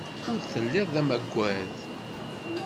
Ur telliḍ d amagad.